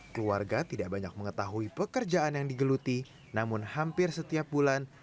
keluarga tidak banyak mengetahui pekerjaan yang digeluti namun hampir setiap bulan